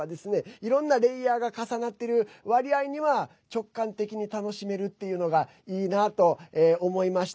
いろんなレイヤーが重なっている割合には直感的に楽しめるっていうのがいいなと思いました。